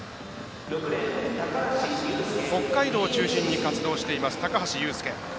北海道を中心に活躍しています高橋佑輔。